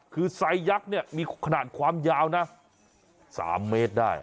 คือไซยักษ์เนี่ยมีขนาดความยาวนะ๓เมตรได้